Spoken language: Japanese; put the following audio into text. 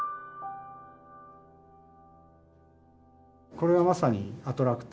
これはまさにアトラクター。